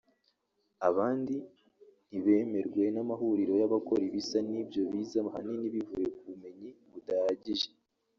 abandi ntibemerwe n’amahuriro y’abakora ibisa n’ibyo bize ahanini bivuye ku bumenyi budahagije